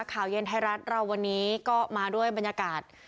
ข่าวเย็นไทยรัฐเราวันนี้ก็มาด้วยบรรยากาศ